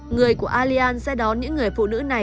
người của allianz sẽ đón những người phụ nữ